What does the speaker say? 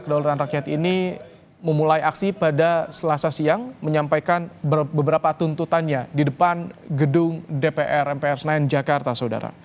kedaulatan rakyat ini memulai aksi pada selasa siang menyampaikan beberapa tuntutannya di depan gedung dpr mpr senayan jakarta saudara